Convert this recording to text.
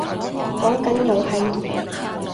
講緊遊戲